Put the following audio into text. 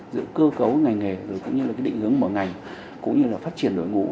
giữa cơ cấu ngành nghề cũng như là định hướng mở ngành cũng như là phát triển đội ngũ